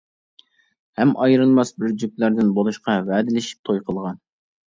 ھەم ئايرىلماس بىر جۈپلەردىن بولۇشقا ۋەدىلىشىپ توي قىلغان.